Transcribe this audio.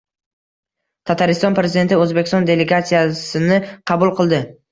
Tatariston Prezidenti O‘zbekiston delegatsiyasini qabul qildi